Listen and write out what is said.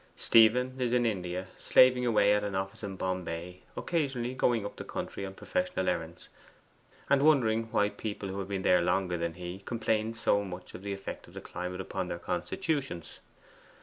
Stephen is in India, slaving away at an office in Bombay; occasionally going up the country on professional errands, and wondering why people who had been there longer than he complained so much of the effect of the climate upon their constitutions.